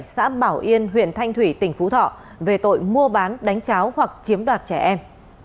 xã bảo yên huyện thanh thủy tỉnh phú thọ về tội mua bán đánh cháo hoặc chiếm đoạt trẻ em